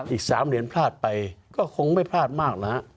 อีก๓เหรียญพลาดไปก็คงไม่พลาดมากนะฮะ